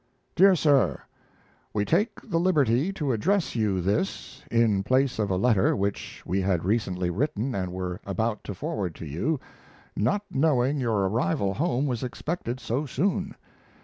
DEAR SIR, We take the liberty to address you this, in place of a letter which we had recently written and were about to forward to you, not knowing your arrival home was expected so soon.